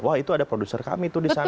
wah itu ada produser kami tuh di sana